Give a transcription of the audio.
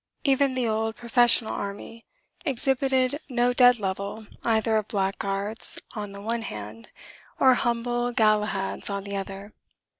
Even the old professional army exhibited no dead level either of blackguards on the one hand or humble Galahads on the other.